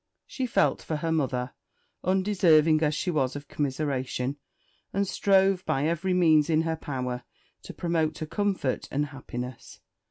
She felt for her mother, undeserving as she was of commiseration; and strove by every means in her power to promote her comfort and happiness.